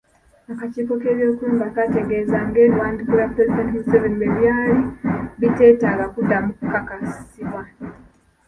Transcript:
Akakiiko k'ebyokulonda kaategeezezza ng'ebiwandiiko bya Pulezidenti Museveni bwe byali biteetaaga kuddamu kakasibwa.